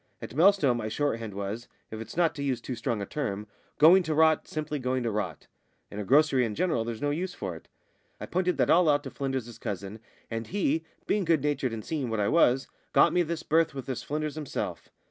At Melstowe my shorthand was, if it's not to use too strong a term, going to rot, simply going to rot in a grocery and general, there's no use for it. I pointed that all out to Flynders's cousin, and he being good natured and seeing what I was got me this berth with this Flynders himself.